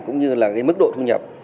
cũng như là mức độ thu nhập